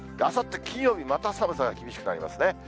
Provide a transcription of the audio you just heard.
あさって金曜日、また寒さが厳しくなりますね。